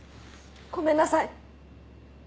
ごめんなさい。